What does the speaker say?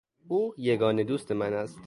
او یگانه دوست من است.